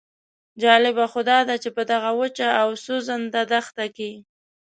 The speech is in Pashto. جالبه خو داده چې په دغه وچه او سوځنده دښته کې.